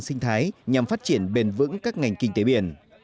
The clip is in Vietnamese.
sinh thái nhằm phát triển bền vững các ngành kinh tế biển